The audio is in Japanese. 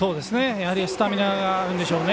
スタミナがあるんでしょうね。